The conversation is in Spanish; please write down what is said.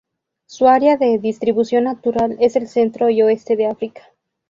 Su área de distribución natural es el centro y oeste de África.